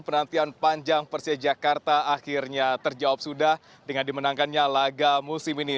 penantian panjang persija jakarta akhirnya terjawab sudah dengan dimenangkannya laga musim ini